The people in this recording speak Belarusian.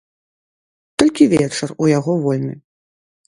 Толькі вечар у яго вольны.